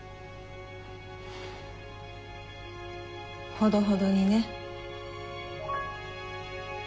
ほどほどにね。